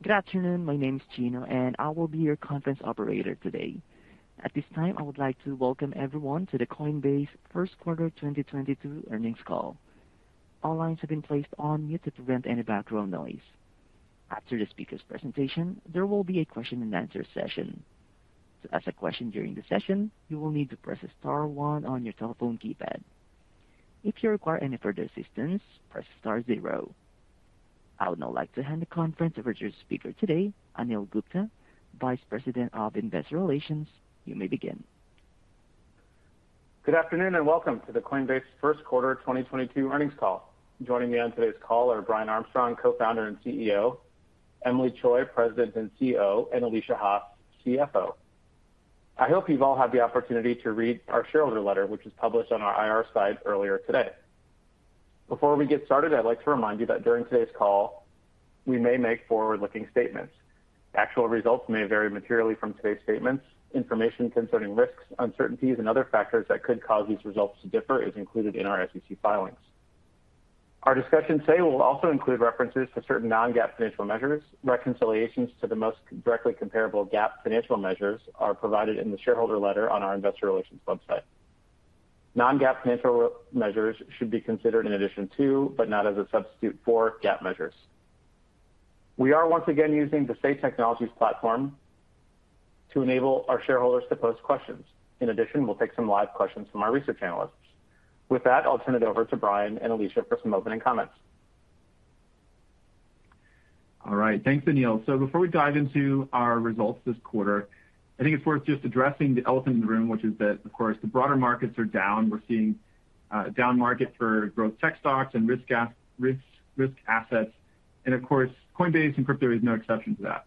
Good afternoon. My name is Gino, and I will be your conference operator today. At this time, I would like to welcome everyone to the Coinbase Q1 2022 earnings call. All lines have been placed on mute to prevent any background noise. After the speaker's presentation, there will be a question-and-answer session. To ask a question during the session, you will need to press star one on your telephone keypad. If you require any further assistance, press star zero. I would now like to hand the conference over to your speaker today, Anil Gupta, Vice President of Investor Relations. You may begin. Good afternoon, and welcome to the Coinbase Q1 2022 earnings call. Joining me on today's call are Brian Armstrong, Co-founder and CEO, Emilie Choi, President and CEO, and Alesia Haas, CFO. I hope you've all had the opportunity to read our shareholder letter, which was published on our IR site earlier today. Before we get started, I'd like to remind you that during today's call we may make forward-looking statements. Actual results may vary materially from today's statements. Information concerning risks, uncertainties, and other factors that could cause these results to differ is included in our SEC filings. Our discussion today will also include references to certain non-GAAP financial measures. Reconciliations to the most directly comparable GAAP financial measures are provided in the shareholder letter on our investor relations website. Non-GAAP financial measures should be considered in addition to, but not as a substitute for GAAP measures. We are once again using the Say Technologies platform to enable our shareholders to pose questions. In addition, we'll take some live questions from our research analysts. With that, I'll turn it over to Brian and Alesia for some opening comments. All right. Thanks, Anil. Before we dive into our results this quarter, I think it's worth just addressing the elephant in the room, which is that, of course, the broader markets are down. We're seeing a down market for growth tech stocks and risk assets. Of course, Coinbase and crypto is no exception to that.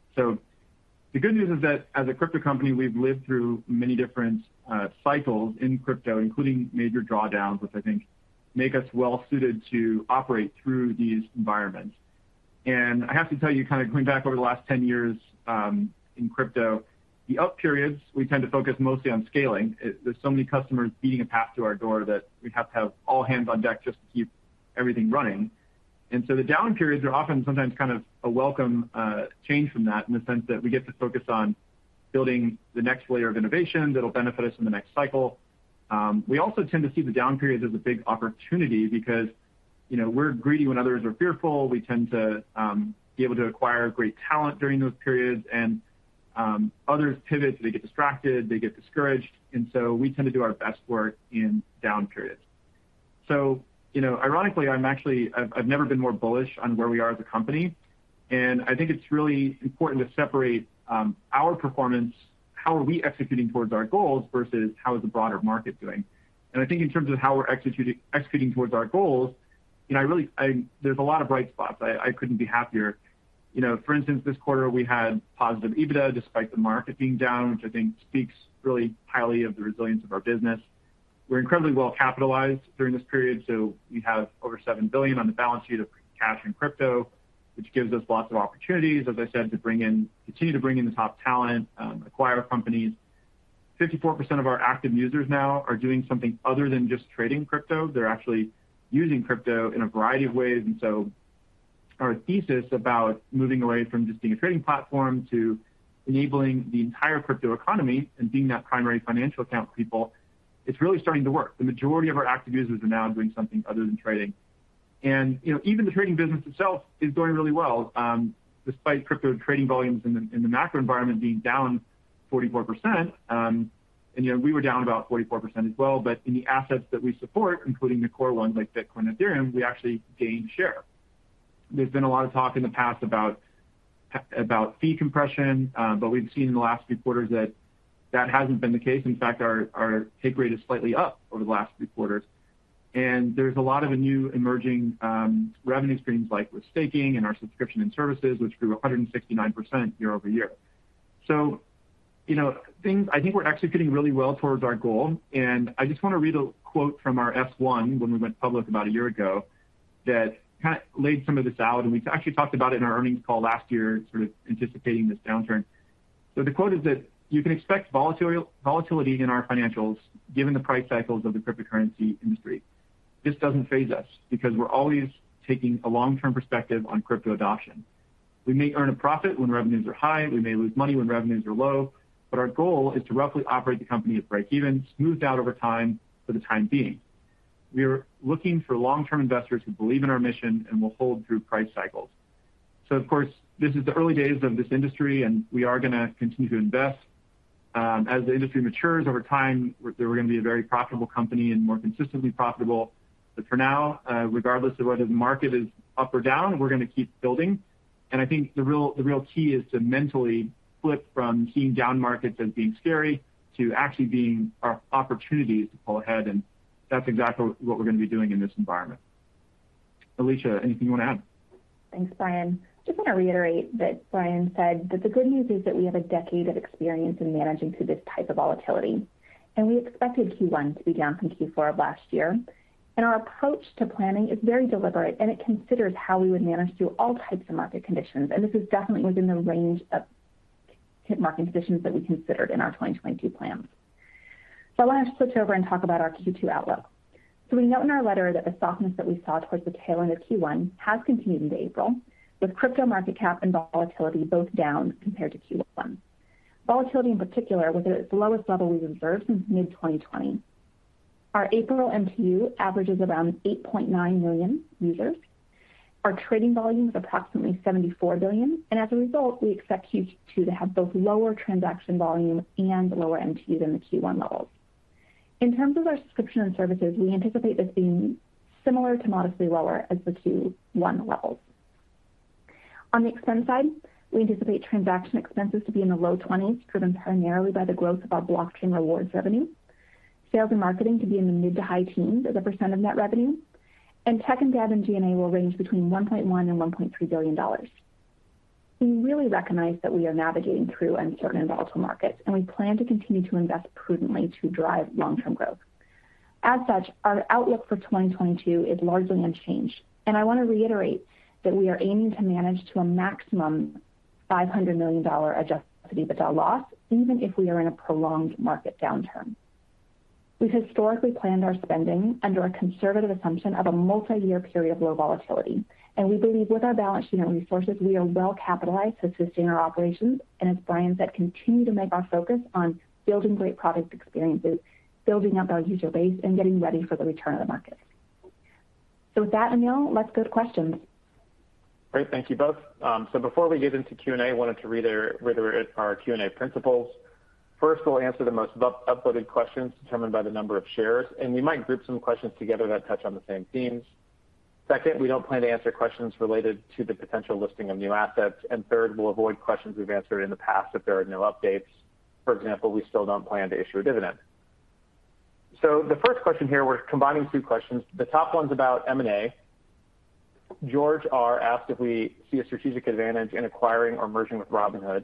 The good news is that as a crypto company, we've lived through many different cycles in crypto, including major drawdowns, which I think make us well-suited to operate through these environments. I have to tell you, kind of going back over the last 10 years in crypto, the up periods we tend to focus mostly on scaling. There's so many customers beating a path to our door that we have to have all hands on deck just to keep everything running. The down periods are often sometimes kind of a welcome change from that, in the sense that we get to focus on building the next layer of innovation that'll benefit us in the next cycle. We also tend to see the down periods as a big opportunity because, you know, we're greedy when others are fearful. We tend to be able to acquire great talent during those periods. Others pivot, they get distracted, they get discouraged, and so we tend to do our best work in down periods. You know, ironically, I've never been more bullish on where we are as a company, and I think it's really important to separate our performance, how are we executing towards our goals versus how is the broader market doing. I think in terms of how we're executing towards our goals, you know, there's a lot of bright spots. I couldn't be happier. You know, for instance, this quarter we had positive EBITDA despite the market being down, which I think speaks really highly of the resilience of our business. We're incredibly well capitalized during this period, so we have over $7 billion on the balance sheet of cash and crypto, which gives us lots of opportunities, as I said, to continue to bring in the top talent, acquire companies. 54% of our active users now are doing something other than just trading crypto. They're actually using crypto in a variety of ways. Our thesis about moving away from just being a trading platform to enabling the entire crypto economy and being that primary financial account for people, it's really starting to work. The majority of our active users are now doing something other than trading. You know, even the trading business itself is doing really well, despite crypto trading volumes in the macro environment being down 44%. You know, we were down about 44% as well. But in the assets that we support, including the core ones like Bitcoin, Ethereum, we actually gained share. There's been a lot of talk in the past about fee compression, but we've seen in the last few quarters that that hasn't been the case. In fact, our take rate is slightly up over the last few quarters. There's a lot of new emerging revenue streams like with staking and our subscription and services, which grew 169% year-over-year. You know, things. I think we're executing really well towards our goal. I just wanna read a quote from our S-1 when we went public about a year ago, that kinda laid some of this out, and we actually talked about it in our earnings call last year, sort of anticipating this downturn. The quote is that, "You can expect volatility in our financials given the price cycles of the cryptocurrency industry. This doesn't faze us because we're always taking a long-term perspective on crypto adoption. We may earn a profit when revenues are high, we may lose money when revenues are low, but our goal is to roughly operate the company at breakeven, smoothed out over time for the time being. We are looking for long-term investors who believe in our mission and will hold through price cycles. Of course, this is the early days of this industry, and we are gonna continue to invest. As the industry matures over time, we're gonna be a very profitable company and more consistently profitable. For now, regardless of whether the market is up or down, we're gonna keep building. I think the real key is to mentally flip from seeing down markets as being scary to actually being our opportunities to pull ahead, and that's exactly what we're gonna be doing in this environment. Alesia, anything you wanna add? Thanks, Brian. Just wanna reiterate that Brian said that the good news is that we have a decade of experience in managing through this type of volatility, and we expected Q1 to be down from Q4 of last year. Our approach to planning is very deliberate, and it considers how we would manage through all types of market conditions. This is definitely within the range of Hit market positions that we considered in our 2022 plans. I want to switch over and talk about our Q2 outlook. We note in our letter that the softness that we saw towards the tail end of Q1 has continued into April, with crypto market cap and volatility both down compared to Q1. Volatility in particular was at its lowest level we've observed since mid-2020. Our April MTU averages around 8.9 million users. Our trading volume is approximately $74 billion, and as a result, we expect Q2 to have both lower transaction volume and lower MTUs than the Q1 levels. In terms of our subscription and services, we anticipate this being similar to modestly lower as the Q1 levels. On the expense side, we anticipate transaction expenses to be in the low $20s, driven primarily by the growth of our blockchain rewards revenue. Sales and marketing to be in the mid- to high-teens % of net revenue. Tech and dev and G&A will range between $1.1 billion and $1.3 billion. We really recognize that we are navigating through uncertain and volatile markets, and we plan to continue to invest prudently to drive long-term growth. As such, our outlook for 2022 is largely unchanged, and I want to reiterate that we are aiming to manage to a maximum $500 million adjusted EBITDA loss, even if we are in a prolonged market downturn. We've historically planned our spending under a conservative assumption of a multi-year period of low volatility, and we believe with our balance sheet and resources, we are well-capitalized to sustain our operations, and as Brian said, continue to make our focus on building great product experiences, building up our user base, and getting ready for the return of the market. With that, Anil, let's go to questions. Great. Thank you both. Before we get into Q&A, I wanted to read our Q&A principles. First, we'll answer the most upvoted questions determined by the number of shares, and we might group some questions together that touch on the same themes. Second, we don't plan to answer questions related to the potential listing of new assets. Third, we'll avoid questions we've answered in the past if there are no updates. For example, we still don't plan to issue a dividend. The first question here, we're combining two questions. The top one's about M&A. George R asked if we see a strategic advantage in acquiring or merging with Robinhood.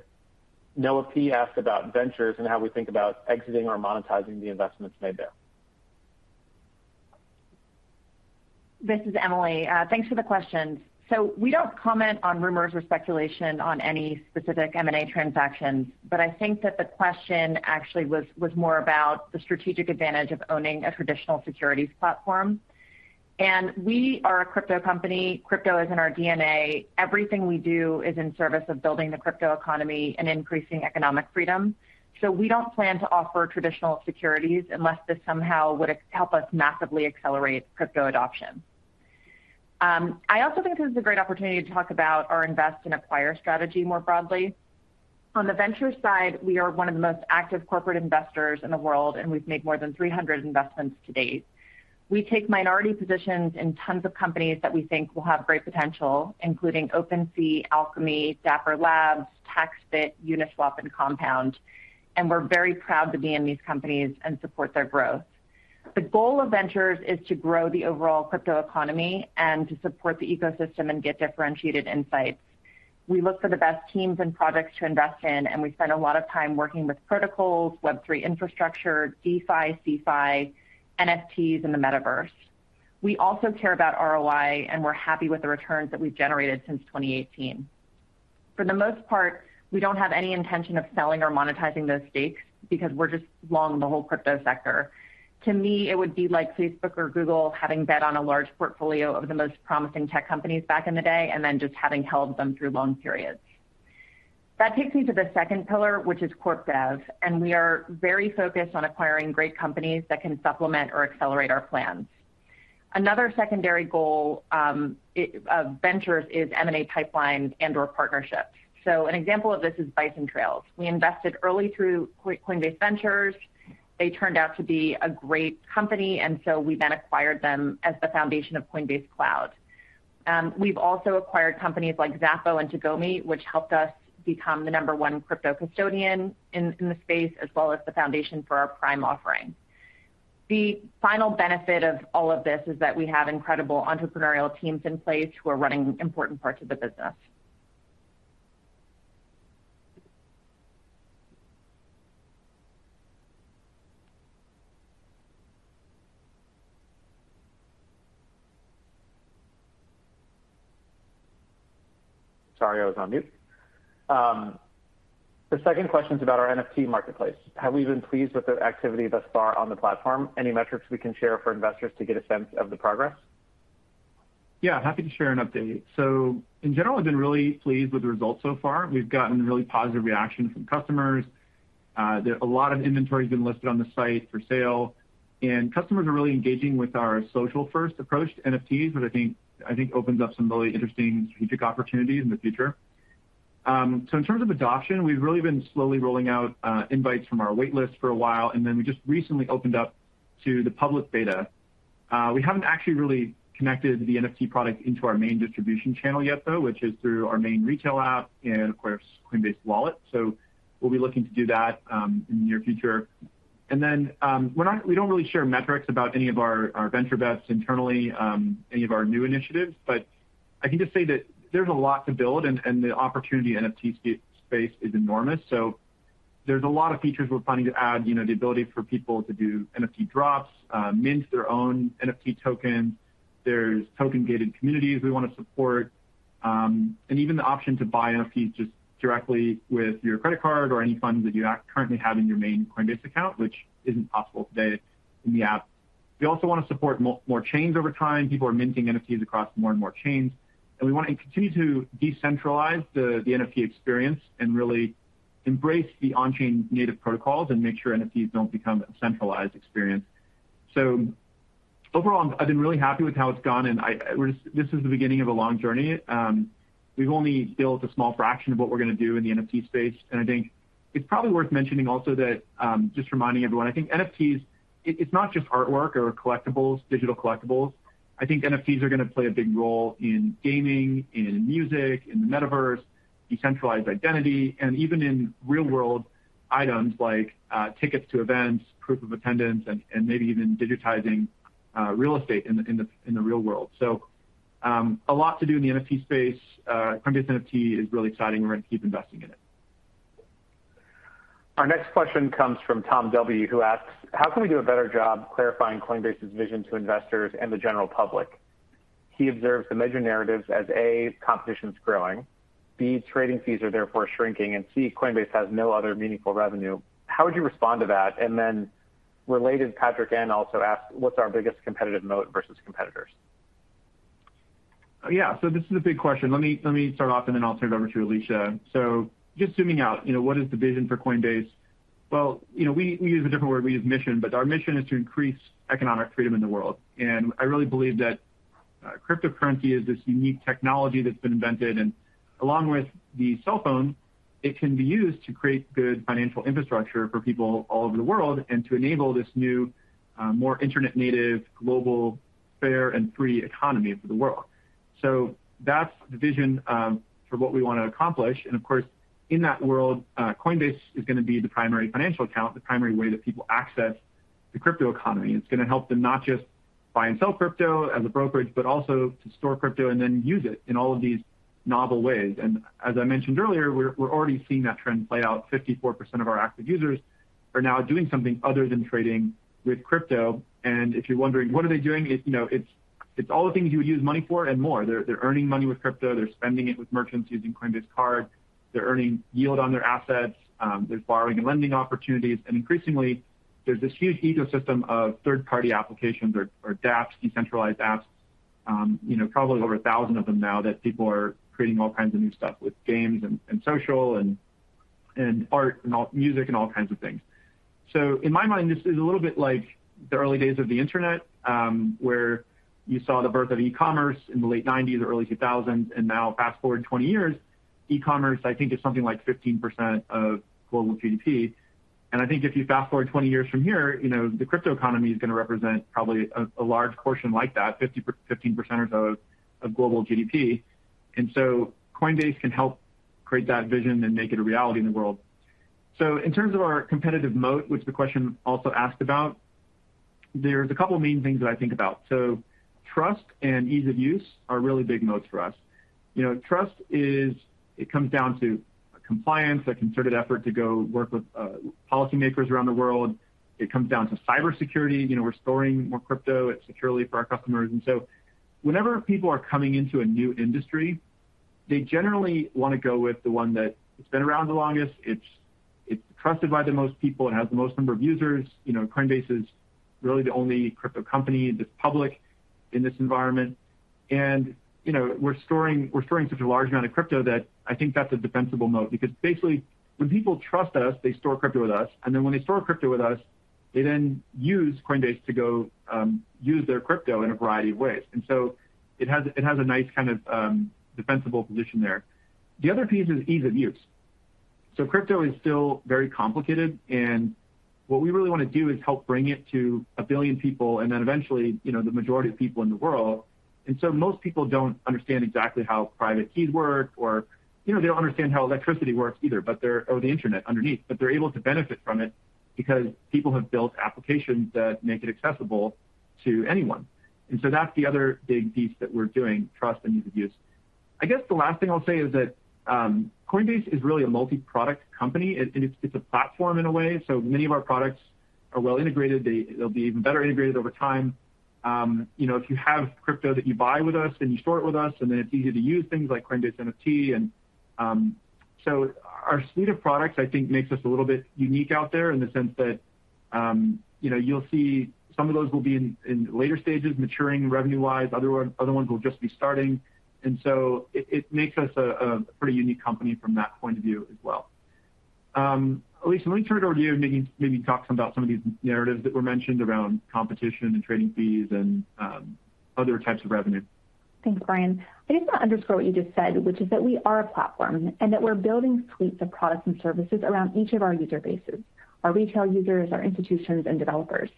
Noah P asked about ventures and how we think about exiting or monetizing the investments made there. This is Emilie Choi. Thanks for the questions. We don't comment on rumors or speculation on any specific M&A transactions, but I think that the question actually was more about the strategic advantage of owning a traditional securities platform. We are a crypto company. Crypto is in our DNA. Everything we do is in service of building the crypto economy and increasing economic freedom. We don't plan to offer traditional securities unless this somehow would help us massively accelerate crypto adoption. I also think this is a great opportunity to talk about our invest and acquire strategy more broadly. On the venture side, we are one of the most active corporate investors in the world, and we've made more than 300 investments to date. We take minority positions in tons of companies that we think will have great potential, including OpenSea, Alchemy, Dapper Labs, TaxBit, Uniswap, and Compound. We're very proud to be in these companies and support their growth. The goal of Ventures is to grow the overall crypto economy and to support the ecosystem and get differentiated insights. We look for the best teams and projects to invest in, and we spend a lot of time working with protocols, Web3 infrastructure, DeFi, CeFi, NFTs, and the Metaverse. We also care about ROI, and we're happy with the returns that we've generated since 2018. For the most part, we don't have any intention of selling or monetizing those stakes because we're just long the whole crypto sector. To me, it would be like Facebook or Google having bet on a large portfolio of the most promising tech companies back in the day and then just having held them through long periods. That takes me to the second pillar, which is corp dev, and we are very focused on acquiring great companies that can supplement or accelerate our plans. Another secondary goal of Ventures is M&A pipelines and/or partnerships. An example of this is Bison Trails. We invested early through Coinbase Ventures. They turned out to be a great company, and so we then acquired them as the foundation of Coinbase Cloud. We've also acquired companies like Xapo and Tagomi, which helped us become the number-one crypto custodian in the space, as well as the foundation for our Prime offering. The final benefit of all of this is that we have incredible entrepreneurial teams in place who are running important parts of the business. Sorry, I was on mute. The second question is about our NFT marketplace. Have we been pleased with the activity thus far on the platform? Any metrics we can share for investors to get a sense of the progress? Yeah, happy to share an update. In general, we've been really pleased with the results so far. We've gotten really positive reaction from customers. A lot of inventory has been listed on the site for sale, and customers are really engaging with our social-first approach to NFTs, which I think opens up some really interesting strategic opportunities in the future. In terms of adoption, we've really been slowly rolling out invites from our wait list for a while, and then we just recently opened up to the public beta. We haven't actually really connected the NFT product into our main distribution channel yet, though, which is through our main retail app and of course, Coinbase Wallet. We'll be looking to do that in the near future. We don't really share metrics about any of our venture bets internally, any of our new initiatives, but I can just say that there's a lot to build and the opportunity in NFT space is enormous. There's a lot of features we're planning to add, you know, the ability for people to do NFT drops, mint their own NFT token. There's token-gated communities we wanna support, and even the option to buy NFTs just directly with your credit card or any funds that you currently have in your main Coinbase account, which isn't possible today in the app. We also wanna support more chains over time. People are minting NFTs across more and more chains, and we wanna continue to decentralize the NFT experience and really embrace the on-chain native protocols and make sure NFTs don't become a centralized experience. Overall, I've been really happy with how it's gone, and this is the beginning of a long journey. We've only built a small fraction of what we're gonna do in the NFT space, and I think it's probably worth mentioning also that, just reminding everyone, I think NFTs, it's not just artwork or collectibles, digital collectibles. I think NFTs are gonna play a big role in gaming, in music, in the Metaverse, decentralized identity, and even in real-world items like tickets to events, proof of attendance, and maybe even digitizing real estate in the real world. A lot to do in the NFT space. Coinbase NFT is really exciting. We're gonna keep investing in it. Our next question comes from Tom W., who asks, "How can we do a better job clarifying Coinbase's vision to investors and the general public?" He observes the major narratives as, A, competition's growing, B, trading fees are therefore shrinking, and C, Coinbase has no other meaningful revenue. How would you respond to that? Related, Patrick N. also asks, what's our biggest competitive moat versus competitors? Yeah. This is a big question. Let me start off, and then I'll turn it over to Alesia. Just zooming out, you know, what is the vision for Coinbase? Well, you know, we use a different word. We use mission, but our mission is to increase economic freedom in the world. I really believe that, cryptocurrency is this unique technology that's been invented, and along with the cell phone, it can be used to create good financial infrastructure for people all over the world and to enable this new, more internet-native, global, fair, and free economy for the world. That's the vision, for what we wanna accomplish. Of course, in that world, Coinbase is gonna be the primary financial account, the primary way that people access the crypto economy. It's gonna help them not just buy and sell crypto as a brokerage, but also to store crypto and then use it in all of these novel ways. As I mentioned earlier, we're already seeing that trend play out. 54% of our active users are now doing something other than trading with crypto. If you're wondering, what are they doing? It's, you know, it's all the things you would use money for and more. They're earning money with crypto. They're spending it with merchants using Coinbase Card. They're earning yield on their assets. There's borrowing and lending opportunities. Increasingly, there's this huge ecosystem of third-party applications or dApps, decentralized apps, you know, probably over 1,000 of them now that people are creating all kinds of new stuff with games and social and art and music and all kinds of things. In my mind, this is a little bit like the early days of the internet, where you saw the birth of e-commerce in the late 1990s or early 2000s, and now fast-forward 20 years, e-commerce, I think, is something like 15% of global GDP. I think if you fast-forward 20 years from here, you know, the crypto economy is gonna represent probably a large portion like that, 15% or so of global GDP. Coinbase can help create that vision and make it a reality in the world. In terms of our competitive moat, which the question also asked about, there's a couple main things that I think about. Trust and ease of use are really big moats for us. You know, trust is, it comes down to compliance, a concerted effort to go work with policymakers around the world. It comes down to cybersecurity. You know, we're storing more crypto assets securely for our customers. Whenever people are coming into a new industry, they generally wanna go with the one that it's been around the longest. It's trusted by the most people and has the most number of users. You know, Coinbase is really the only crypto company that's public in this environment. You know, we're storing such a large amount of crypto that I think that's a defensible moat because basically, when people trust us, they store crypto with us. When they store crypto with us, they then use Coinbase to go use their crypto in a variety of ways. It has a nice kind of defensible position there. The other piece is ease of use. Crypto is still very complicated, and what we really wanna do is help bring it to a billion people and then eventually, you know, the majority of people in the world. Most people don't understand exactly how private keys work or, you know, they don't understand how electricity works either or the internet underneath, but they're able to benefit from it because people have built applications that make it accessible to anyone. That's the other big piece that we're doing, trust and ease of use. I guess the last thing I'll say is that, Coinbase is really a multi-product company, and it's a platform in a way. Many of our products are well integrated. They'll be even better integrated over time. You know, if you have crypto that you buy with us and you store it with us, and then it's easy to use things like Coinbase NFT. Our suite of products, I think, makes us a little bit unique out there in the sense that, you know, you'll see some of those will be in later stages maturing revenue-wise, other ones will just be starting. It makes us a pretty unique company from that point of view as well. Alesia, let me turn it over to you and maybe talk about some of these narratives that were mentioned around competition and trading fees and other types of revenue. Thanks, Brian. I just wanna underscore what you just said, which is that we are a platform and that we're building suites of products and services around each of our user bases, our retail users, our institutions, and developers.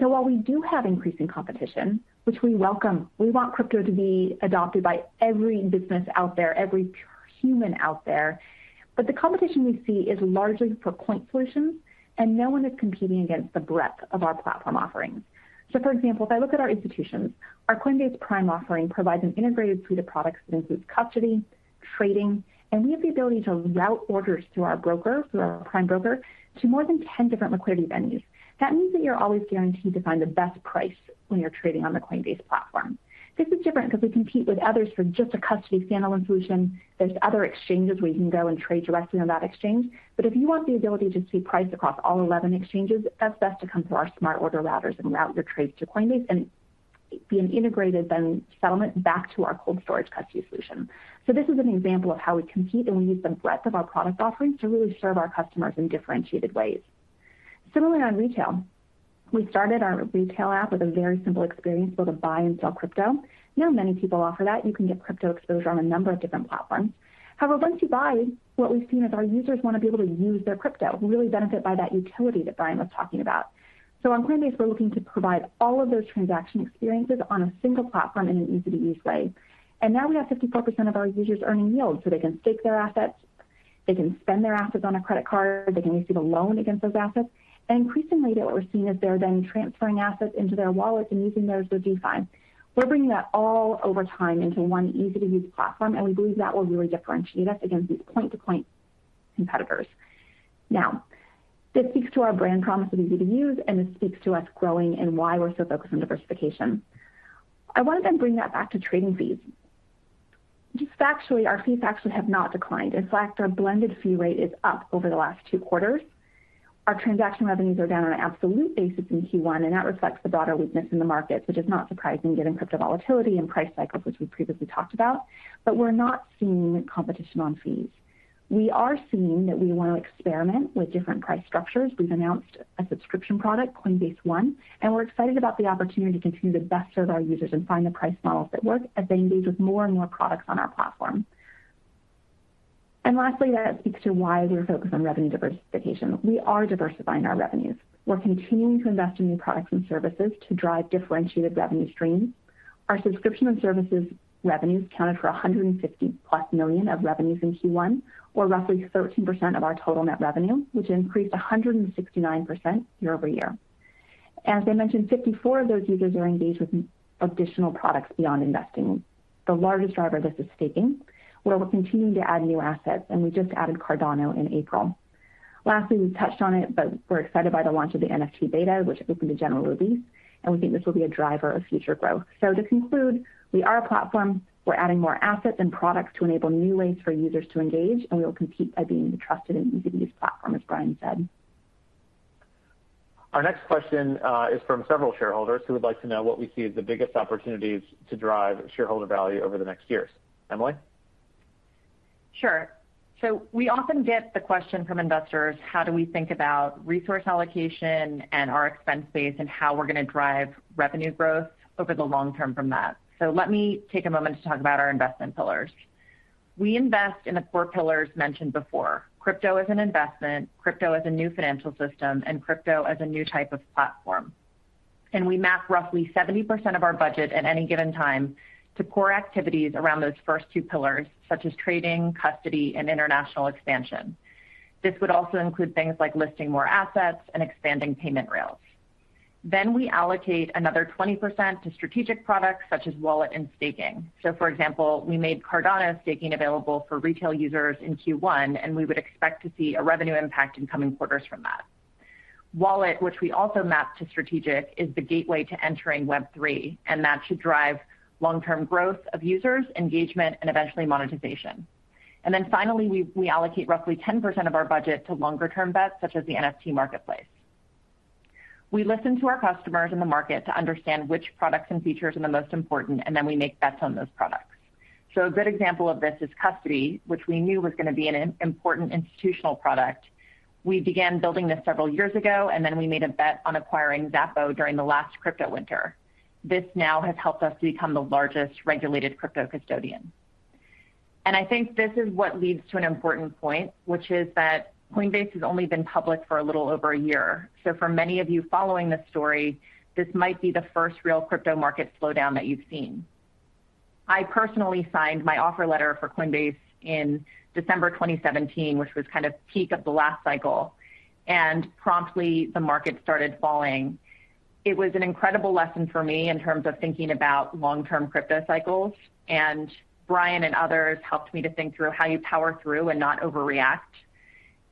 While we do have increasing competition, which we welcome, we want crypto to be adopted by every business out there, every human out there. The competition we see is largely for point solutions, and no one is competing against the breadth of our platform offerings. For example, if I look at our institutions, our Coinbase Prime offering provides an integrated suite of products that includes custody, trading, and we have the ability to route orders through our broker, through our prime broker, to more than 10 different liquidity venues. That means that you're always guaranteed to find the best price when you're trading on the Coinbase platform. This is different because we compete with others for just a custody settlement solution. There's other exchanges where you can go and trade directly on that exchange. If you want the ability to see price across all 11 exchanges, that's best to come through our smart order routers and route your trades to Coinbase and be an integrated then settlement back to our cold storage custody solution. This is an example of how we compete, and we use the breadth of our product offerings to really serve our customers in differentiated ways. Similarly, on retail, we started our retail app with a very simple experience to buy and sell crypto. Now, many people offer that. You can get crypto exposure on a number of different platforms. However, once you buy, what we've seen is our users want to be able to use their crypto, really benefit by that utility that Brian was talking about. On Coinbase, we're looking to provide all of those transaction experiences on a single platform in an easy-to-use way. Now we have 54% of our users earning yield, so they can stake their assets, they can spend their assets on a credit card, they can receive a loan against those assets. Increasingly, what we're seeing is they're then transferring assets into their wallets and using those with DeFi. We're bringing that all over time into one easy-to-use platform, and we believe that will really differentiate us against these point-to-point competitors. Now, this speaks to our brand promise of easy to use, and this speaks to us growing and why we're so focused on diversification. I want to then bring that back to trading fees. Just factually, our fees actually have not declined. In fact, our blended fee rate is up over the last two quarters. Our transaction revenues are down on an absolute basis in Q1, and that reflects the broader weakness in the market, which is not surprising given crypto volatility and price cycles, which we previously talked about. But we're not seeing competition on fees. We are seeing that we want to experiment with different price structures. We've announced a subscription product, Coinbase One, and we're excited about the opportunity to continue to best serve our users and find the price models that work as they engage with more and more products on our platform. Lastly, that speaks to why we're focused on revenue diversification. We are diversifying our revenues. We're continuing to invest in new products and services to drive differentiated revenue streams. Our subscription and services revenues accounted for $150+ million of revenues in Q1, or roughly 13% of our total net revenue, which increased 169% year-over-year. As I mentioned, 54 of those users are engaged with additional products beyond investing. The largest driver of this is staking, where we're continuing to add new assets, and we just added Cardano in April. Lastly, we touched on it, but we're excited by the launch of the NFT beta, which opened to general release, and we think this will be a driver of future growth. To conclude, we are a platform. We're adding more assets and products to enable new ways for users to engage, and we will compete by being the trusted and easy to use platform, as Brian said. Our next question is from several shareholders who would like to know what we see as the biggest opportunities to drive shareholder value over the next years. Emilie? Sure. We often get the question from investors, how do we think about resource allocation and our expense base, and how we're gonna drive revenue growth over the long term from that. Let me take a moment to talk about our investment pillars. We invest in the core pillars mentioned before, crypto as an investment, crypto as a new financial system, and crypto as a new type of platform. We map roughly 70% of our budget at any given time to core activities around those first two pillars, such as trading, custody, and international expansion. This would also include things like listing more assets and expanding payment rails. We allocate another 20% to strategic products such as wallet and staking. For example, we made Cardano staking available for retail users in Q1, and we would expect to see a revenue impact in coming quarters from that. Wallet, which we also map to strategic, is the gateway to entering Web3, and that should drive long-term growth of users, engagement, and eventually monetization. Finally, we allocate roughly 10% of our budget to longer-term bets such as the NFT marketplace. We listen to our customers in the market to understand which products and features are the most important, and then we make bets on those products. A good example of this is custody, which we knew was gonna be an important institutional product. We began building this several years ago, and we made a bet on acquiring Xapo during the last crypto winter. This now has helped us become the largest regulated crypto custodian. I think this is what leads to an important point, which is that Coinbase has only been public for a little over a year. For many of you following this story, this might be the first real crypto market slowdown that you've seen. I personally signed my offer letter for Coinbase in December 2017, which was kind of peak of the last cycle, and promptly the market started falling. It was an incredible lesson for me in terms of thinking about long-term crypto cycles, and Brian and others helped me to think through how you power through and not overreact.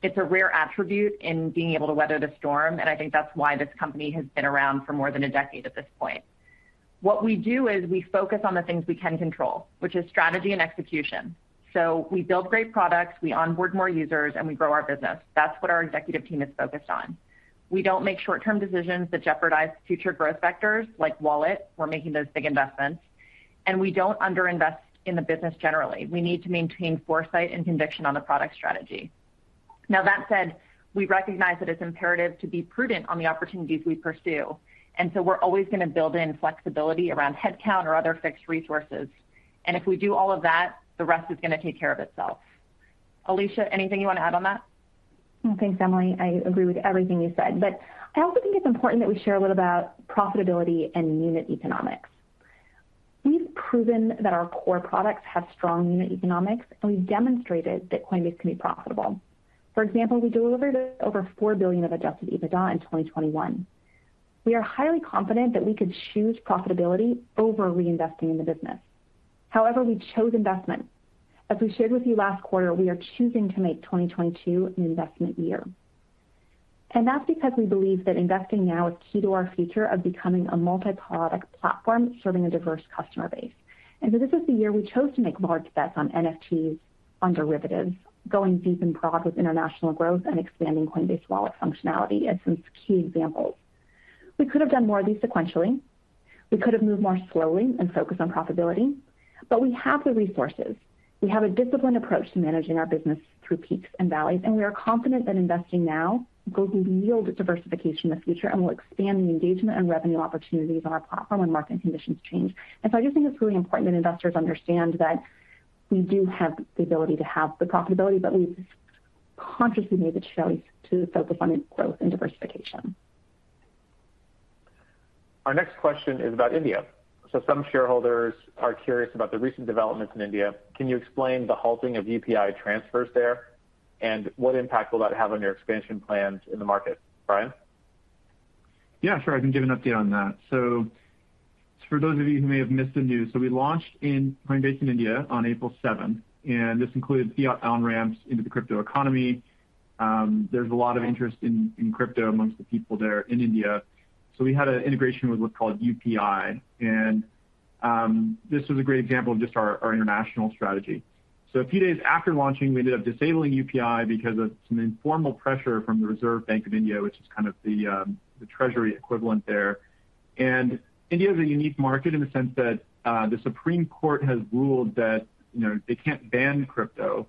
It's a rare attribute in being able to weather the storm, and I think that's why this company has been around for more than a decade at this point. What we do is we focus on the things we can control, which is strategy and execution. We build great products, we onboard more users, and we grow our business. That's what our executive team is focused on. We don't make short-term decisions that jeopardize future growth vectors like Wallet. We're making those big investments, and we don't under-invest in the business generally. We need to maintain foresight and conviction on the product strategy. Now, that said, we recognize that it's imperative to be prudent on the opportunities we pursue. We're always gonna build in flexibility around headcount or other fixed resources. If we do all of that, the rest is gonna take care of itself. Alesia, anything you want to add on that? Thanks, Emilie. I agree with everything you said, but I also think it's important that we share a little about profitability and unit economics. We've proven that our core products have strong unit economics, and we've demonstrated that Coinbase can be profitable. For example, we delivered over $4 billion of adjusted EBITDA in 2021. We are highly confident that we could choose profitability over reinvesting in the business. However, we chose investment. As we shared with you last quarter, we are choosing to make 2022 an investment year. That's because we believe that investing now is key to our future of becoming a multi-product platform serving a diverse customer base. This is the year we chose to make large bets on NFTs, on derivatives, going deep and broad with international growth and expanding Coinbase Wallet functionality as some key examples. We could have done more of these sequentially. We could have moved more slowly and focused on profitability, but we have the resources. We have a disciplined approach to managing our business through peaks and valleys, and we are confident that investing now will yield diversification in the future and will expand the engagement and revenue opportunities on our platform when market conditions change. I do think it's really important that investors understand that we do have the ability to have the profitability, but we've consciously made the choice to focus on growth and diversification. Our next question is about India. Some shareholders are curious about the recent developments in India. Can you explain the halting of UPI transfers there? What impact will that have on your expansion plans in the market? Brian? Yeah, sure. I can give an update on that. For those of you who may have missed the news, we launched Coinbase in India on April 7, and this includes fiat on-ramps into the crypto economy. There's a lot of interest in crypto amongst the people there in India. We had an integration with what's called UPI, and this was a great example of just our international strategy. A few days after launching, we ended up disabling UPI because of some informal pressure from the Reserve Bank of India, which is kind of the treasury equivalent there. India is a unique market in the sense that, the Supreme Court has ruled that, you know, they can't ban crypto,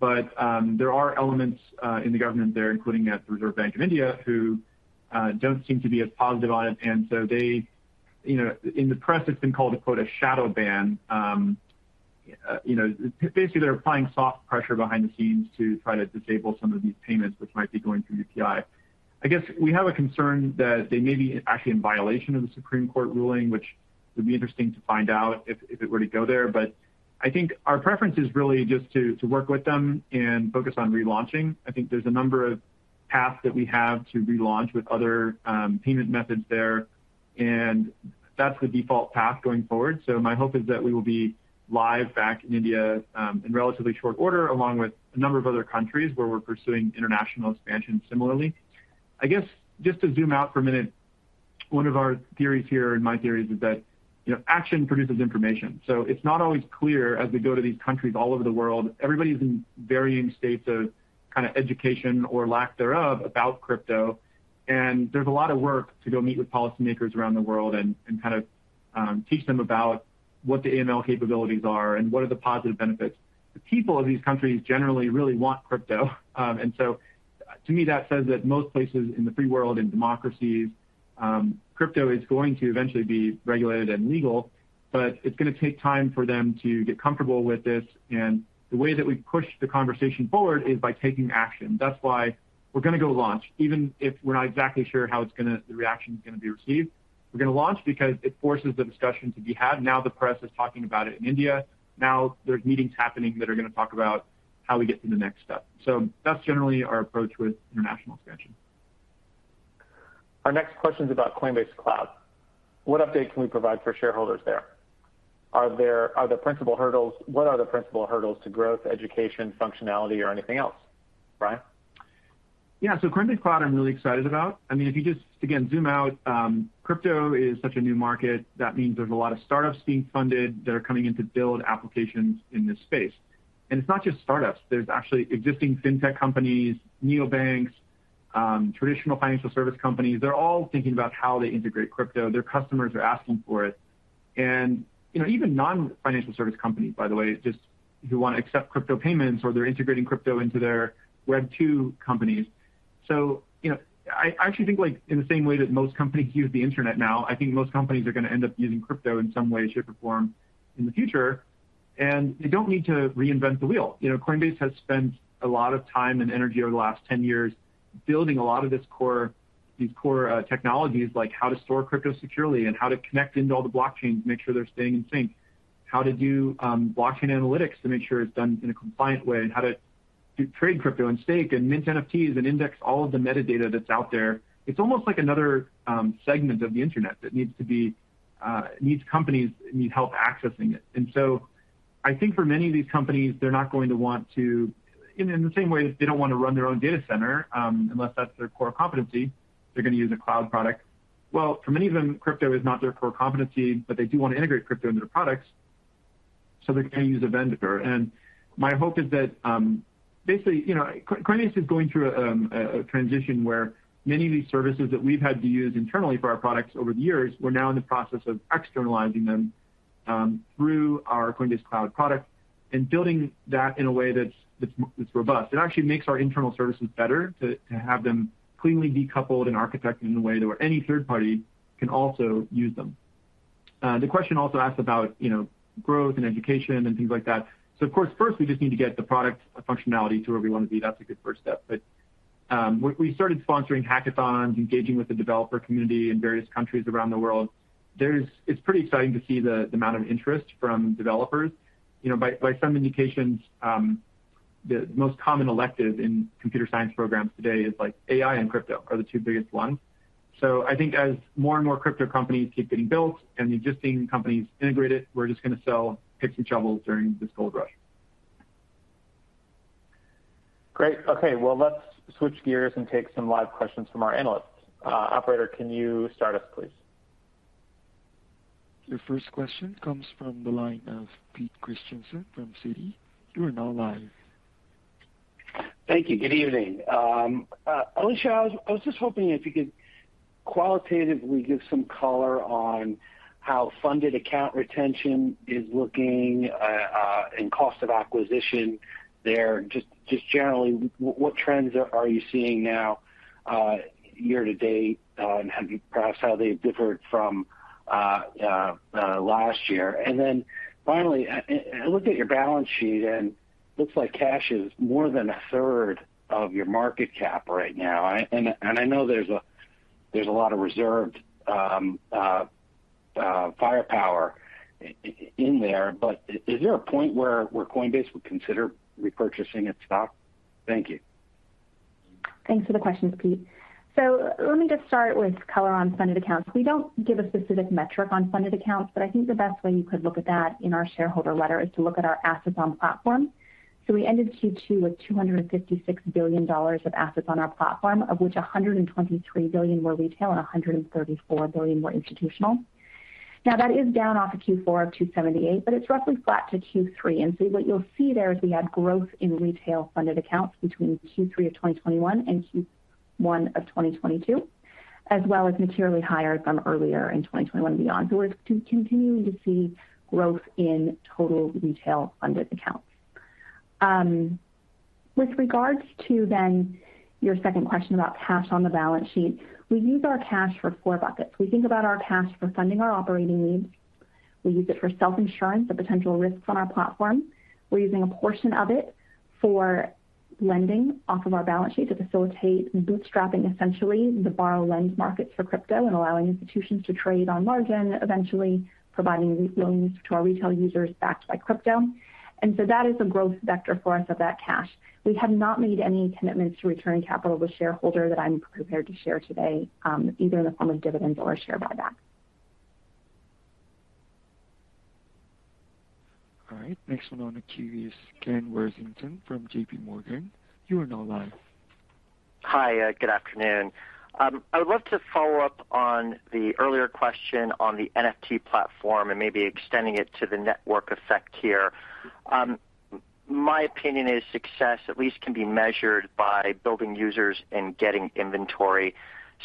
but, there are elements, in the government there, including at the Reserve Bank of India, who, don't seem to be as positive on it. They, you know, in the press, it's been called, quote, a shadow ban. You know, basically, they're applying soft pressure behind the scenes to try to disable some of these payments, which might be going through UPI. I guess we have a concern that they may be actually in violation of the Supreme Court ruling, which would be interesting to find out if it were to go there. I think our preference is really just to work with them and focus on relaunching. I think there's a number of paths that we have to relaunch with other payment methods there, and that's the default path going forward. My hope is that we will be live back in India in relatively short order, along with a number of other countries where we're pursuing international expansion similarly. I guess just to zoom out for a minute, one of our theories here, and my theory is that, you know, action produces information. It's not always clear as we go to these countries all over the world. Everybody's in varying states of kind of education or lack thereof about crypto. There's a lot of work to go meet with policymakers around the world and kind of teach them about what the AML capabilities are and what are the positive benefits. The people of these countries generally really want crypto. To me, that says that most places in the free world, in democracies, crypto is going to eventually be regulated and legal, but it's gonna take time for them to get comfortable with this. The way that we push the conversation forward is by taking action. That's why we're gonna go launch, even if we're not exactly sure the reaction is gonna be received. We're gonna launch because it forces the discussion to be had. Now the press is talking about it in India. Now there's meetings happening that are gonna talk about how we get to the next step. That's generally our approach with international expansion. Our next question is about Coinbase Cloud. What update can we provide for shareholders there? What are the principal hurdles to growth, education, functionality or anything else? Brian? Yeah. Coinbase Cloud, I'm really excited about. I mean, if you just, again, zoom out, crypto is such a new market. That means there's a lot of startups being funded that are coming in to build applications in this space. It's not just startups. There's actually existing fintech companies, neobanks, traditional financial service companies. They're all thinking about how they integrate crypto. Their customers are asking for it. You know, even non-financial service companies, by the way, just who wanna accept crypto payments or they're integrating crypto into their Web2 companies. You know, I actually think, like, in the same way that most companies use the internet now, I think most companies are gonna end up using crypto in some way, shape, or form in the future. They don't need to reinvent the wheel. You know, Coinbase has spent a lot of time and energy over the last 10 years building these core technologies like how to store crypto securely and how to connect into all the blockchains, make sure they're staying in sync, how to do blockchain analytics to make sure it's done in a compliant way, and how to trade crypto and stake and mint NFTs and index all of the metadata that's out there. It's almost like another segment of the internet that needs companies need help accessing it. I think for many of these companies, they're not going to want to, in the same way as they don't wanna run their own data center, unless that's their core competency, they're gonna use a cloud product. Well, for many of them, crypto is not their core competency, but they do wanna integrate crypto into their products, so they're gonna use a vendor. My hope is that, basically, you know, Coinbase is going through a transition where many of these services that we've had to use internally for our products over the years, we're now in the process of externalizing them through our Coinbase Cloud product and building that in a way that's robust. It actually makes our internal services better to have them cleanly decoupled and architected in a way that where any third party can also use them. The question also asks about, you know, growth and education and things like that. Of course, first, we just need to get the product functionality to where we wanna be. That's a good first step. We started sponsoring hackathons, engaging with the developer community in various countries around the world. It's pretty exciting to see the amount of interest from developers. You know, by some indications, the most common elective in computer science programs today is like AI and crypto are the two biggest ones. I think as more and more crypto companies keep getting built and the existing companies integrate it, we're just gonna sell picks and shovels during this gold rush. Great. Okay. Well, let's switch gears and take some live questions from our analysts. Operator, can you start us, please? Your first question comes from the line of Peter Christiansen from Citi. You are now live. Thank you. Good evening. Alesia, I was just hoping if you could qualitatively give some color on how funded account retention is looking, and cost of acquisition there. Just generally, what trends are you seeing now, year to date, and perhaps how they differed from last year? Then finally, I looked at your balance sheet, and looks like cash is more than a third of your market cap right now. I know there's a lot of reserved firepower in there, but is there a point where Coinbase would consider repurchasing its stock? Thank you. Thanks for the questions, Peter. Let me just start with color on funded accounts. We don't give a specific metric on funded accounts, but I think the best way you could look at that in our shareholder letter is to look at our assets on platform. We ended Q2 with $256 billion of assets on our platform, of which $123 billion were retail and $134 billion were institutional. Now, that is down off of Q4 of $278 billion, but it's roughly flat to Q3. What you'll see there is we had growth in retail-funded accounts between Q3 of 2021 and Q1 of 2022, as well as materially higher from earlier in 2021 and beyond. We're continuing to see growth in total retail-funded accounts. With regard to then your second question about cash on the balance sheet, we use our cash for four buckets. We think about our cash for funding our operating needs. We use it for self-insurance of potential risks on our platform. We're using a portion of it for lending off of our balance sheet to facilitate bootstrapping, essentially the borrow-lend markets for crypto and allowing institutions to trade on margin, eventually providing loans to our retail users backed by crypto. That is a growth vector for us of that cash. We have not made any commitments to return capital to shareholders that I'm prepared to share today, either in the form of dividends or share buyback. All right, next one on the queue is Ken Worthington from JPMorgan. You are now live. Hi, good afternoon. I would love to follow up on the earlier question on the NFT platform and maybe extending it to the network effect here. My opinion is success at least can be measured by building users and getting inventory.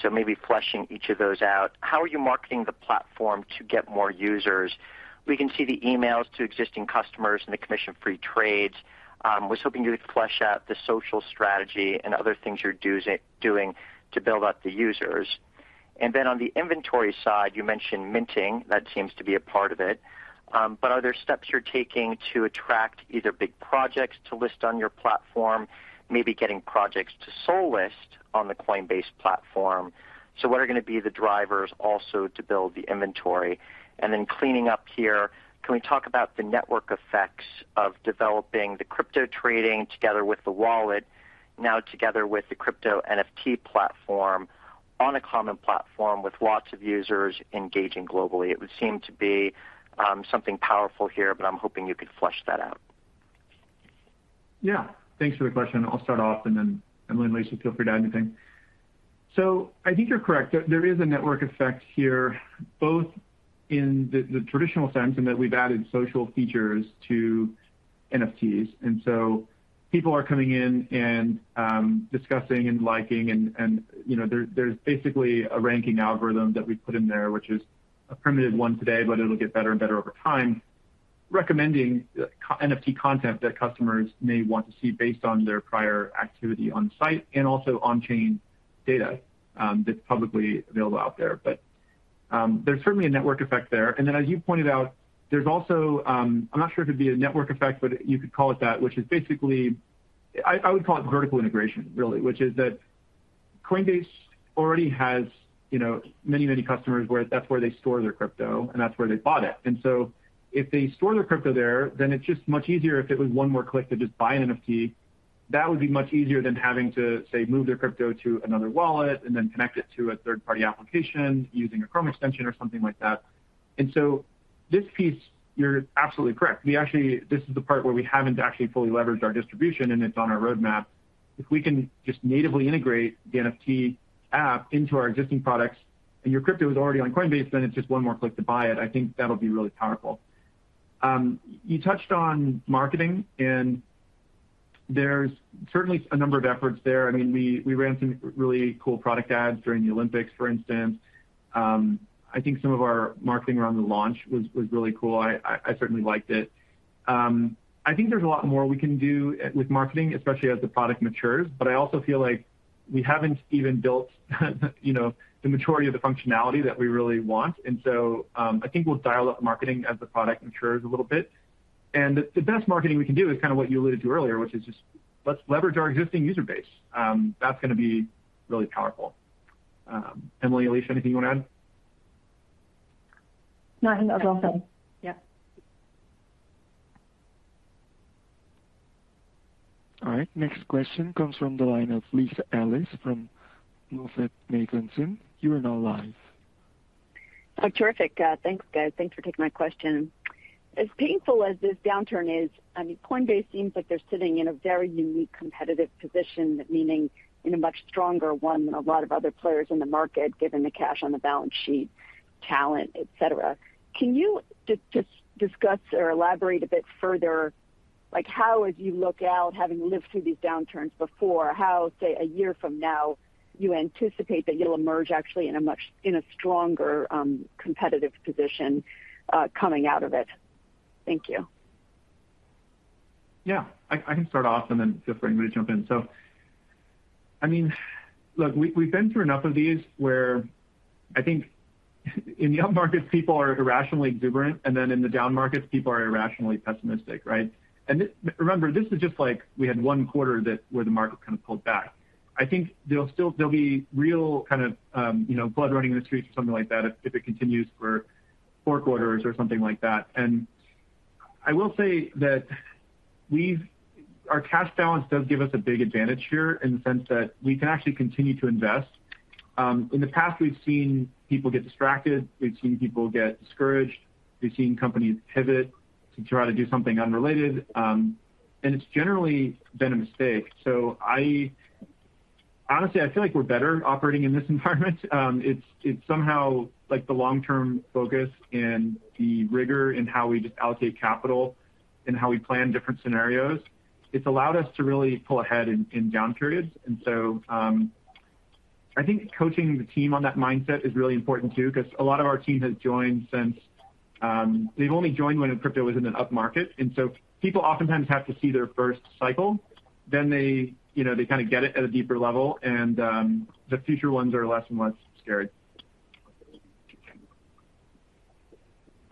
Maybe fleshing each of those out, how are you marketing the platform to get more users? We can see the emails to existing customers and the commission-free trades. Was hoping you could flesh out the social strategy and other things you're doing to build out the users. On the inventory side, you mentioned minting. That seems to be a part of it. Are there steps you're taking to attract either big projects to list on your platform, maybe getting projects to solely list on the Coinbase platform? What are gonna be the drivers also to build the inventory? Cleaning up here, can we talk about the network effects of developing the crypto trading together with the wallet now together with the crypto NFT platform on a common platform with lots of users engaging globally? It would seem to be something powerful here, but I'm hoping you could flesh that out. Yeah, thanks for the question. I'll start off and then Emilie and Alesia feel free to add anything. I think you're correct. There is a network effect here, both in the traditional sense in that we've added social features to NFTs. People are coming in and discussing and liking. You know, there's basically a ranking algorithm that we put in there, which is a primitive one today, but it'll get better and better over time, recommending NFT content that customers may want to see based on their prior activity on site and also on-chain data, that's publicly available out there. There's certainly a network effect there. As you pointed out, there's also, I'm not sure if it'd be a network effect, but you could call it that, which is basically I would call it vertical integration really, which is that Coinbase already has, you know, many customers where that's where they store their crypto and that's where they bought it. If they store their crypto there, then it's just much easier if it was one more click to just buy an NFT. That would be much easier than having to, say, move their crypto to another wallet and then connect it to a third-party application using a Chrome extension or something like that. This piece, you're absolutely correct. We actually, this is the part where we haven't actually fully leveraged our distribution, and it's on our roadmap. If we can just natively integrate the NFT app into our existing products and your crypto is already on Coinbase, then it's just one more click to buy it. I think that'll be really powerful. You touched on marketing, and there's certainly a number of efforts there. I mean, we ran some really cool product ads during the Olympics, for instance. I think some of our marketing around the launch was really cool. I certainly liked it. I think there's a lot more we can do with marketing, especially as the product matures, but I also feel like we haven't even built, you know, the majority of the functionality that we really want. I think we'll dial up marketing as the product matures a little bit. The best marketing we can do is kind of what you alluded to earlier, which is just let's leverage our existing user base. That's gonna be really powerful. Emilie, Alesia, anything you wanna add? Not in the overall firm. Yeah. All right. Next question comes from the line of Lisa Ellis from MoffettNathanson. You are now live. Oh, terrific. Thanks guys. Thanks for taking my question. As painful as this downturn is, I mean, Coinbase seems like they're sitting in a very unique competitive position, meaning in a much stronger one than a lot of other players in the market, given the cash on the balance sheet, talent, etcetera. Can you just discuss or elaborate a bit further, like how as you look out, having lived through these downturns before, how, say, a year from now, you anticipate that you'll emerge actually in a much stronger competitive position, coming out of it? Thank you. Yeah. I can start off, and then feel free to jump in. I mean, look, we've been through enough of these where I think in the up markets, people are irrationally exuberant, and then in the down markets, people are irrationally pessimistic, right? Remember, this is just like we had one quarter that where the market kind of pulled back. I think there'll be real kind of, you know, blood running in the streets or something like that if it continues for four quarters or something like that. I will say that our cash balance does give us a big advantage here in the sense that we can actually continue to invest. In the past, we've seen people get distracted. We've seen people get discouraged. We've seen companies pivot to try to do something unrelated. It's generally been a mistake. I honestly, I feel like we're better operating in this environment. It's somehow like the long-term focus and the rigor in how we just allocate capital and how we plan different scenarios. It's allowed us to really pull ahead in down periods. I think coaching the team on that mindset is really important too, 'cause a lot of our team has joined since they've only joined when crypto was in an up market, and so people oftentimes have to see their first cycle, then they, you know, they kinda get it at a deeper level, and the future ones are less and less scary.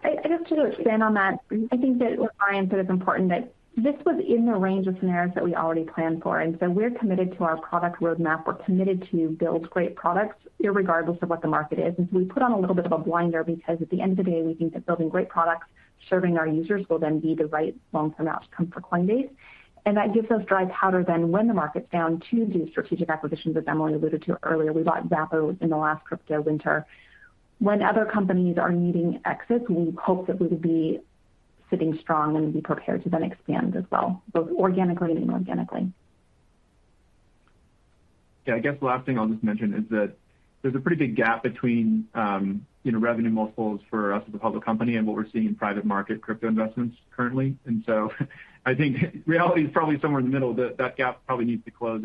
I just want to expand on that. I think that what Brian said is important, that this was in the range of scenarios that we already planned for. We're committed to our product roadmap. We're committed to build great products regardless of what the market is. We put on a little bit of blinders because at the end of the day, we think that building great products, serving our users will then be the right long-term outcome for Coinbase. That gives us dry powder to when the market's down to do strategic acquisitions that Emily alluded to earlier. We bought Xapo in the last crypto winter. When other companies are needing exits, we hope that we would be sitting strong and be prepared to then expand as well, both organically and inorganically. Yeah, I guess the last thing I'll just mention is that there's a pretty big gap between you know, revenue multiples for us as a public company and what we're seeing in private market crypto investments currently. I think reality is probably somewhere in the middle. That gap probably needs to close.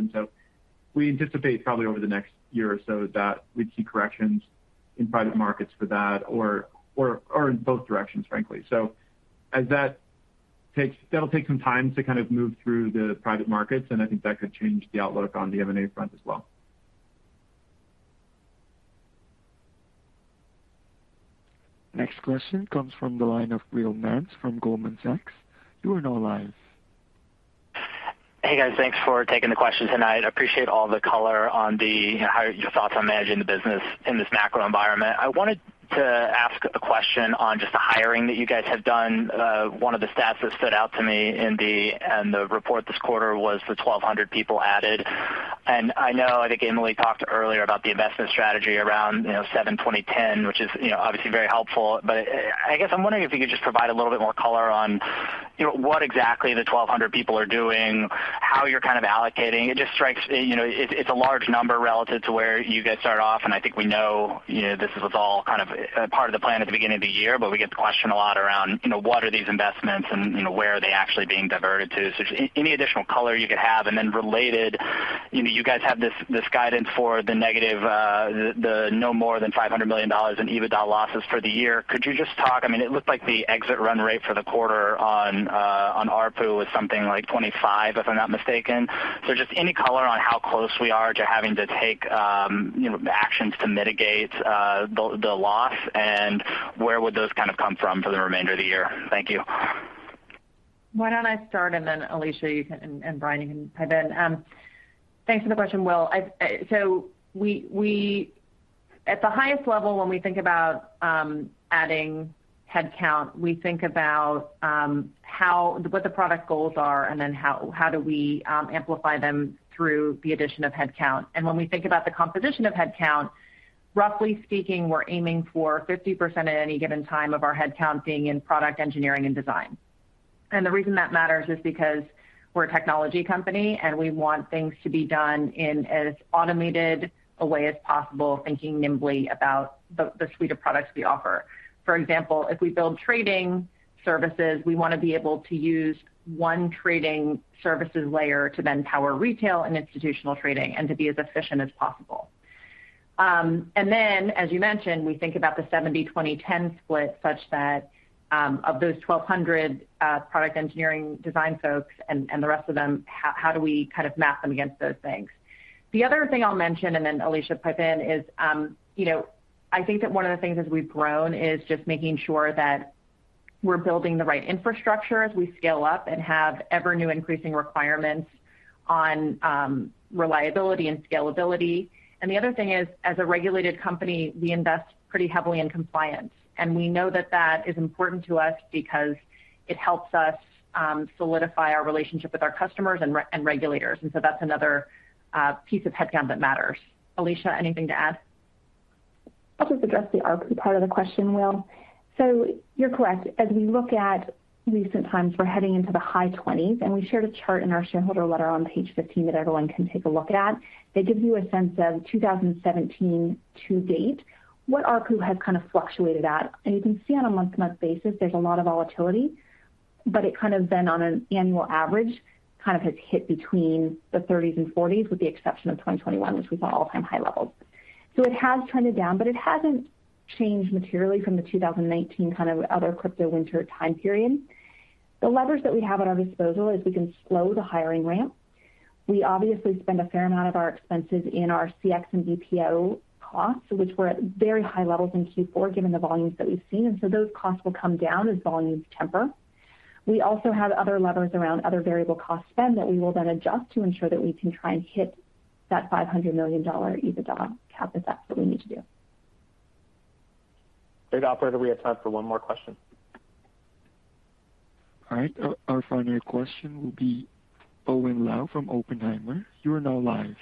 We anticipate probably over the next year or so that we'd see corrections in private markets for that or in both directions, frankly. That'll take some time to kind of move through the private markets, and I think that could change the outlook on the M&A front as well. Next question comes from the line of Will Nance from Goldman Sachs. You are now live. Hey, guys. Thanks for taking the question tonight. I appreciate all the color on how your thoughts on managing the business in this macro environment. I wanted to ask a question on just the hiring that you guys have done. One of the stats that stood out to me in the report this quarter was the 1,200 people added. I know, I think Emily talked earlier about the investment strategy around, you know, 70, 20 10, which is, you know, obviously very helpful. I guess I'm wondering if you could just provide a little bit more color on, you know, what exactly the 1,200 people are doing, how you're kind of allocating. It just strikes, you know, it's a large number relative to where you guys start off. I think we know, you know, this was all kind of part of the plan at the beginning of the year, but we get the question a lot around, you know, what are these investments and, you know, where are they actually being diverted to? Just any additional color you could have. Related, you know, you guys have this guidance for the no more than $500 million in EBITDA losses for the year. Could you just talk? I mean, it looked like the exit run rate for the quarter on ARPU was something like $25, if I'm not mistaken. Just any color on how close we are to having to take, you know, actions to mitigate the loss and where would those kind of come from for the remainder of the year? Thank you. Why don't I start, and then Alesia, you can, and Brian, you can pipe in. Thanks for the question, Will. We at the highest level, when we think about adding headcount, we think about what the product goals are and then how do we amplify them through the addition of headcount. When we think about the composition of headcount, roughly speaking, we're aiming for 50% at any given time of our headcount being in product engineering and design. The reason that matters is because we're a technology company, and we want things to be done in as automated a way as possible, thinking nimbly about the suite of products we offer. For example, if we build trading services, we wanna be able to use one trading services layer to then power retail and institutional trading and to be as efficient as possible. As you mentioned, we think about the 70, 20, 10 split such that, of those 1,200 product engineering design folks and the rest of them, how do we kind of map them against those things? The other thing I'll mention, and then Alesia chime in, is, you know, I think that one of the things as we've grown is just making sure that we're building the right infrastructure as we scale up and have ever-increasing requirements on reliability and scalability. The other thing is, as a regulated company, we invest pretty heavily in compliance. We know that is important to us because it helps us solidify our relationship with our customers and regulators. That's another piece of headcount that matters. Alesia, anything to add? I'll just address the ARPU part of the question, Will. You're correct. As we look at recent times, we're heading into the high 20s, and we shared a chart in our shareholder letter on page 15 that everyone can take a look at. It gives you a sense of 2017 to date, what ARPU has kind of fluctuated at. You can see on a month-to-month basis, there's a lot of volatility, but it kind of then on an annual average, kind of has hit between the 30s and 40s with the exception of 2021, which we saw all-time high levels. It has trended down, but it hasn't changed materially from the 2019 kind of other crypto winter time period. The levers that we have at our disposal is we can slow the hiring ramp. We obviously spend a fair amount of our expenses in our CX and BPO costs, which were at very high levels in Q4, given the volumes that we've seen. Those costs will come down as volumes temper. We also have other levers around other variable cost spend that we will then adjust to ensure that we can try and hit that $500 million EBITDA cap if that's what we need to do. Great. Operator, we have time for one more question. All right. Our final question will be Owen Lau from Oppenheimer. You are now live.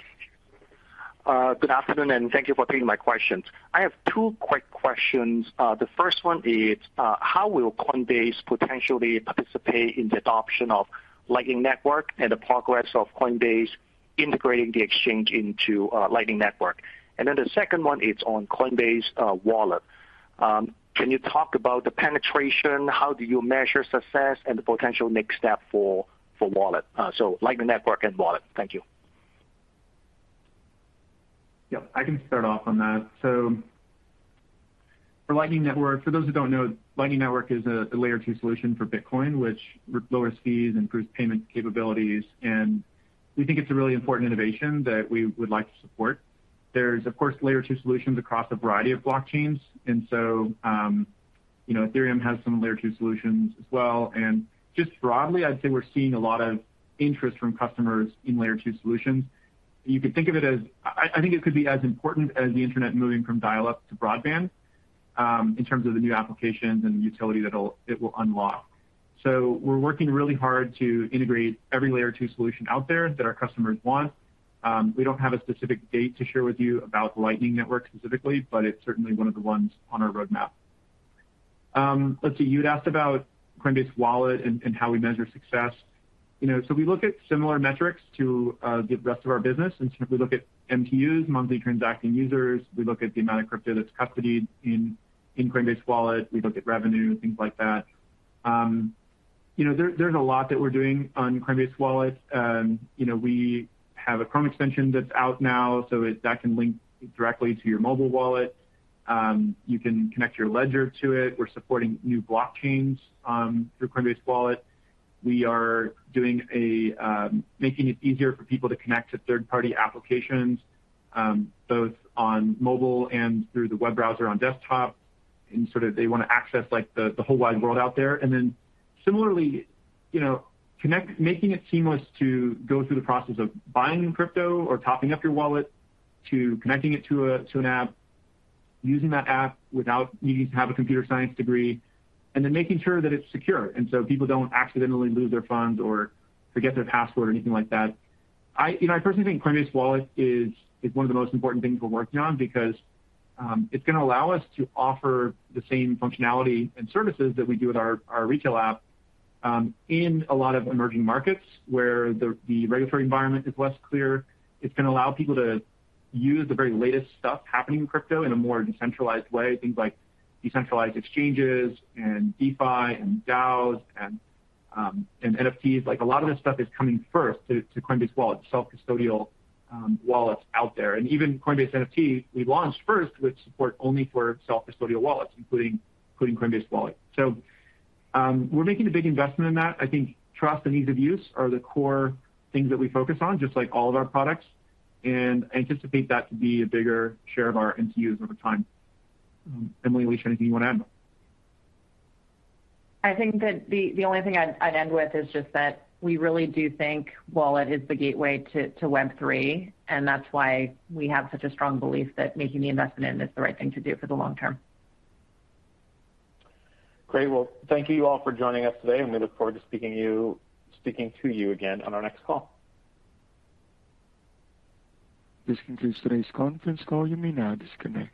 Good afternoon, and thank you for taking my questions. I have two quick questions. The first one is, how will Coinbase potentially participate in the adoption of Lightning Network and the progress of Coinbase integrating the exchange into Lightning Network? The second one is on Coinbase Wallet. Can you talk about the penetration, how do you measure success and the potential next step for wallet? Lightning Network and wallet. Thank you. Yep, I can start off on that. For Lightning Network, for those who don't know, Lightning Network is a layer two solution for Bitcoin, which lowers fees, improves payment capabilities, and we think it's a really important innovation that we would like to support. There's of course layer two solutions across a variety of blockchains. You know, Ethereum has some layer two solutions as well. Just broadly, I'd say we're seeing a lot of interest from customers in layer two solutions. You could think of it as I think it could be as important as the internet moving from dial-up to broadband in terms of the new applications and utility it will unlock. We're working really hard to integrate every layer two solution out there that our customers want. We don't have a specific date to share with you about Lightning Network specifically, but it's certainly one of the ones on our roadmap. Let's see. You'd asked about Coinbase Wallet and how we measure success. You know, we look at similar metrics to the rest of our business. We look at MTUs, monthly transacting users. We look at the amount of crypto that's custodied in Coinbase Wallet. We look at revenue, things like that. You know, there's a lot that we're doing on Coinbase Wallet. You know, we have a Chrome extension that's out now, that can link directly to your mobile wallet. You can connect your Ledger to it. We're supporting new blockchains through Coinbase Wallet. We are making it easier for people to connect to third-party applications both on mobile and through the web browser on desktop, and sort of they wanna access, like, the whole wide world out there. Similarly, you know, making it seamless to go through the process of buying crypto or topping up your wallet, to connecting it to an app, using that app without needing to have a computer science degree, and then making sure that it's secure. People don't accidentally lose their funds or forget their password or anything like that. You know, I personally think Coinbase Wallet is one of the most important things we're working on because it's gonna allow us to offer the same functionality and services that we do with our retail app in a lot of emerging markets where the regulatory environment is less clear. It's gonna allow people to use the very latest stuff happening in crypto in a more decentralized way. Things like decentralized exchanges and DeFi and DAOs and NFTs. Like a lot of this stuff is coming first to Coinbase Wallet, self-custodial wallets out there. Even Coinbase NFT, we launched first with support only for self-custodial wallets, including Coinbase Wallet. We're making a big investment in that. I think trust and ease of use are the core things that we focus on just like all of our products, and anticipate that to be a bigger share of our MTUs over time. Emily, Alesia, anything you wanna add? I think that the only thing I'd end with is just that we really do think wallet is the gateway to Web3, and that's why we have such a strong belief that making the investment in is the right thing to do for the long term. Great. Well, thank you all for joining us today, and we look forward to speaking to you again on our next call. This concludes today's conference call. You may now disconnect.